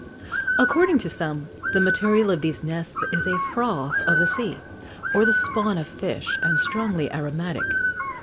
According to some, the material of these nests is a froth of the sea, or the spawn of fish, and strongly aromatic.